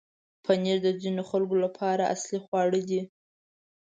پنېر د ځینو خلکو لپاره اصلي خواړه دی.